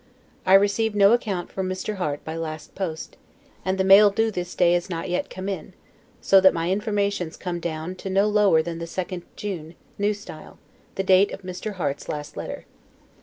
I received no account from Mr. Harte by last post, and the mail due this day is not yet come in; so that my informations come down no lower than the 2d June, N. S., the date of Mr. Harte's last letter.